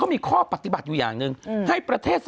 ลำไยไอบ้านหนูหรือ